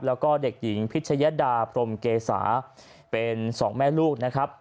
แล้วก็เด็กหญิงพิชยดาพรมเกษาเป็นสองแม่ลูกนะครับ